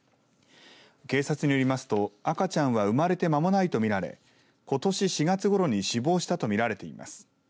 警察によりますと赤ちゃんは生まれて間もないと見られことし４月ごろに死亡したと見られています。